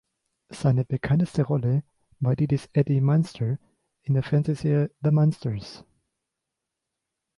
Seine bekannteste Rolle war die des Eddie Munster in der Fernsehserie "The Munsters".